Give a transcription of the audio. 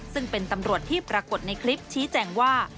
ซึ่งเป็นตำรวจที่ปรากฏในคลิปชี้แจงว่า